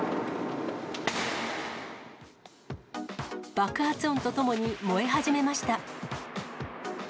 爆発音とともに燃え始めました。